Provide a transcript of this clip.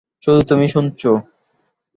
শুধু তুমি শুনেছো।